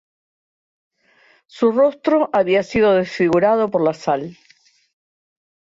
Su rostro había sido desfigurado por la sal.